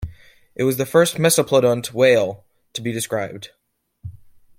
It was the first mesoplodont whale to be described.